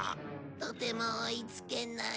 とても追いつけない。